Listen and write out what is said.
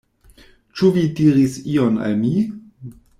Ĉu vi diris ion al mi?